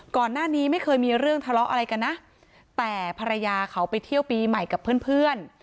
ก่อนหน้านี้ไม่เคยมีเรื่องทะเลาะอะไรกันนะแต่ภรรยาเขาไปเที่ยวปีใหม่กับเพื่อนเพื่อน